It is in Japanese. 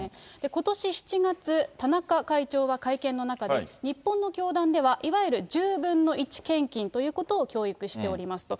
ことし７月、田中会長は会見の中で、日本の教団では、いわゆる１０分の１献金ということを教育しておりますと。